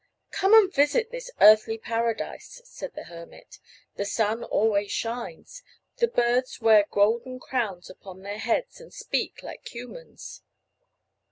"Come and visit this earthly Paradise," said the hermit. "There the sun always shines. The birds wear golden crowns upon their heads and speak like humans."